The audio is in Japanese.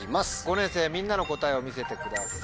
５年生みんなの答えを見せてください。